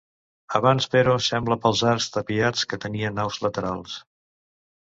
Abans però sembla pels arcs tapiats que tenia naus laterals.